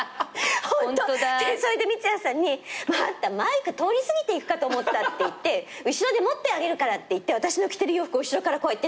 でそれで三ツ矢さんにマイク通り過ぎていくかと思ったっていって後ろで持ってあげるからっていって私の着てる洋服を後ろからこうやって手綱を引くように。